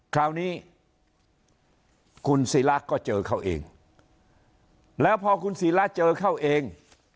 คราวนี้คุณศิราก็เจอเขาเองแล้วพอคุณศิราเจอเข้าเอง